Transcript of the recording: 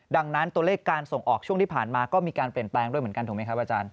ดังนั้นตัวเลขการส่งออกช่วงที่ผ่านมาก็มีการเปลี่ยนแปลงด้วยเหมือนกันถูกไหมครับอาจารย์